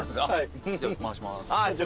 じゃあ回します。